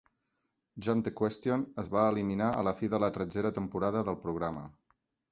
"Jump the Question" es va eliminar a la fi de la tretzena temporada del programa.